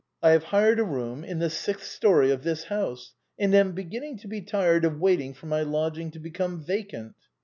I have hired a room in the sixth story of this house, and am beginning to be tired of waiting for my lodging to become vacant."